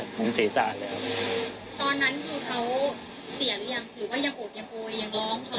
ตอนนั้นคือเขาเสียหรือยังหรือว่ายังโอบยังโอยยังร้องครับ